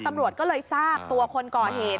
ตำรวจก็เลยทราบตัวคนก่อเหตุ